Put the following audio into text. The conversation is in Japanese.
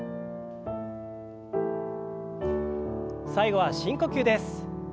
最後は深呼吸です。